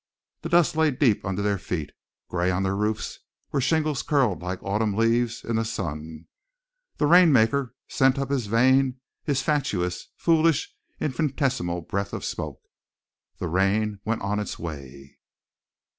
The dust lay deep under their feet, gray on their roofs where shingles curled like autumn leaves in the sun. The rainmaker sent up his vain, his fatuous, foolish, infinitesimal breath of smoke. The rain went on its way.